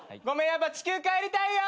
やっぱ地球帰りたいよ！